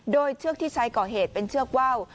โดยเชือกที่ใช้ก่อเหตุเป็นเชือกว่าว